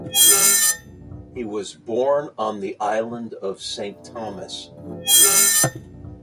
He was born on the island of Saint Thomas.